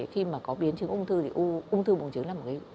khi mà có biến trứng ung thư thì u bùng trứng là một cái